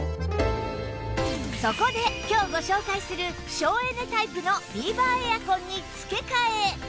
そこで今日ご紹介する省エネタイプのビーバーエアコンに付け替え